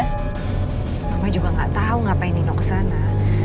mama juga gak tau ngapain nino ke sana